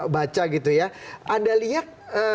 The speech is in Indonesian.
baca gitu ya anda lihat